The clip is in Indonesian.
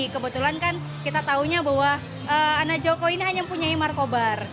kebetulan kan kita taunya bahwa anak jokowi ini hanya punya markobar